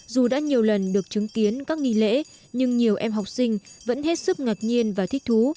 dù đã nhiều lần được chứng kiến các nghỉ lễ nhưng nhiều em học sinh vẫn hết sức ngạc nhiên và thích thú